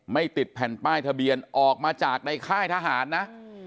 ติดแผ่นป้ายทะเบียนออกมาจากในค่ายทหารนะ